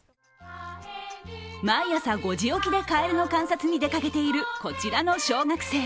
毎朝５時起きでカエルの観察に出かけているこちらの小学生。